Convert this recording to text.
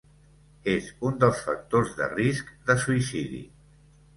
És un dels factors de risc de suïcidi.